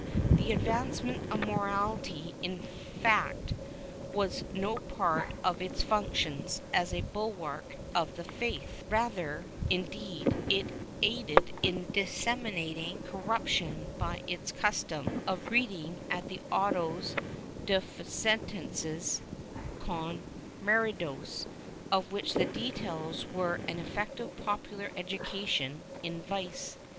The advancement of morality in fact was no part of its functions as a bulwark of the faith; rather, indeed, it aided in disseminating corruption by its custom of reading at the autos de f e sentences con meritos of which the details were an effective popular education in vice.